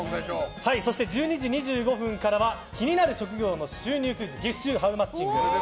そして１２時２５分からは気になる職業の収入クイズ月収ハウマッチング。